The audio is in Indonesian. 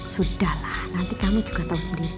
sudahlah nanti kamu juga tahu sendiri